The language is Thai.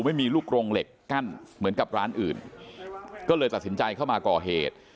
ไม่มีลูกโรงเหล็กกั้นเหมือนกับร้านอื่นก็เลยตัดสินใจเข้ามาก่อเหตุ